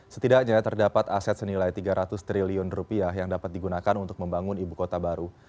setidaknya terdapat aset senilai tiga ratus triliun rupiah yang dapat digunakan untuk membangun ibu kota baru